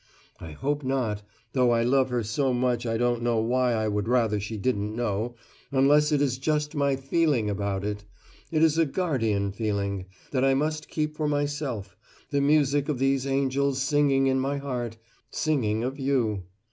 I hope not, though I love her so much I don't know why I would rather she didn't know, unless it is just my feeling about it. It is a guardian feeling that I must keep for myself, the music of these angels singing in my heart singing of You.